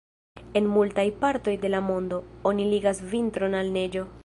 En multaj partoj de la mondo, oni ligas vintron al neĝo.